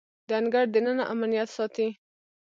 د انګړ دننه امنیت ساتي.